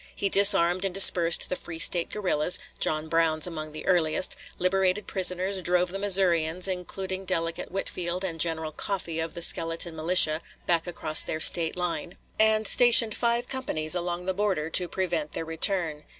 He disarmed and dispersed the free State guerrillas, John Brown's among the earliest, liberated prisoners, drove the Missourians, including delegate Whitfield and General Coffee of the skeleton militia, back across their State line, and stationed five companies along the border to prevent their return.